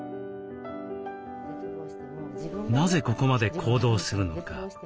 なぜここまで行動するのか